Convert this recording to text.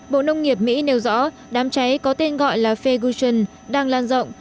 bộ nông nghiệp mỹ nêu rõ đám cháy có tên gọi là fagution đang lan rộng